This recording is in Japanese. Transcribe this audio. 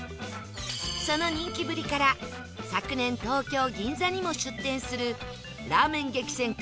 その人気ぶりから昨年東京銀座にも出店するラーメン激戦区